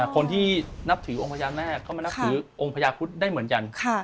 คนที่นับถือองค์พญานาคก็มานับถือองค์พญาคุธได้เหมือนกัน